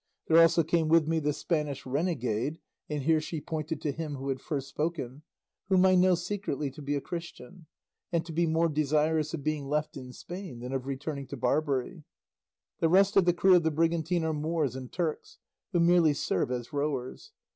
There also came with me this Spanish renegade" and here she pointed to him who had first spoken "whom I know to be secretly a Christian, and to be more desirous of being left in Spain than of returning to Barbary. The rest of the crew of the brigantine are Moors and Turks, who merely serve as rowers.